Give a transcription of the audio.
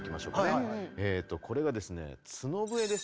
これがですね角笛です。